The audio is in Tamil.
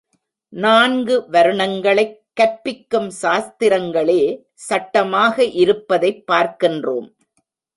நான்கு வருணங்களைக் கற்பிக்கும் சாஸ்திரங்களே சட்டமாக இருப்பதைப் பார்க்கின்றோம்.